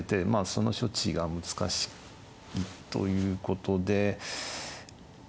その処置が難しいということでまあ